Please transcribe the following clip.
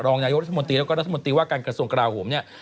รองนายกรัฐมนตรีแล้วก็รัฐมนตรีว่าการกระทรวงกราโหมเนี่ย